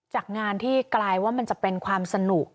จากงานที่กลายว่ามันจะเป็นความสนุก